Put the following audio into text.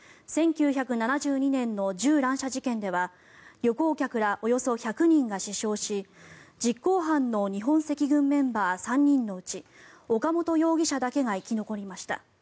１９７２年の銃乱射事件では旅行客らおよそ１００人が死傷し実行犯の日本赤軍メンバー３人のうち岡本容疑者だけが生き残りました。